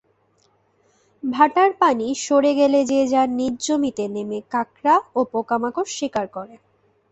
ভাটার পানি সরে গেলে যে যার নিজের জমিতে নেমে কাঁকড়া ও পোকামাকড় শিকার করে।